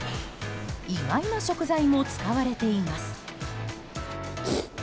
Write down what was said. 意外な食材も使われています。